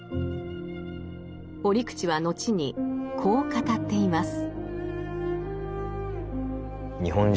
折口は後にこう語っています。